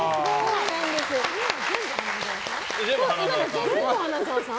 全部花澤さん？